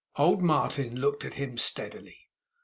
Old Martin looked at him steadily.